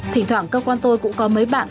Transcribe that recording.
thỉnh thoảng cơ quan tôi cũng có mấy bạn